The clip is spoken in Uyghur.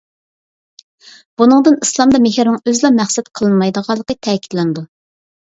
بۇنىڭدىن ئىسلامدا مېھىرنىڭ ئۆزىلا مەقسەت قىلىنمايدىغانلىقى تەكىتلىنىدۇ.